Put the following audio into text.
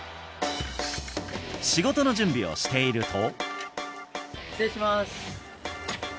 仕事の準備をしていると失礼します